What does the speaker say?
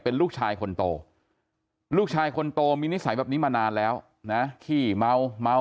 เป็นลูกชายคนโตลูกชายคนโตมีนิสัยแบบนี้มานานแล้วนะขี้เมาเมา